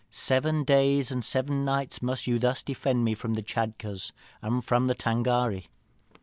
Seven days and seven nights must ye thus defend me from the Tschadkurrs and from the Tângâri.'